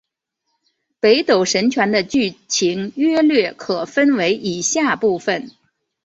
北斗神拳的剧情约略可分为以下部分。